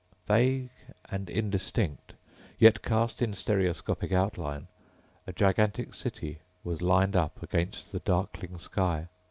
Vague and indistinct, yet cast in stereoscopic outline, a gigantic city was lined against the darkling sky.